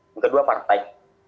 yang kedua partai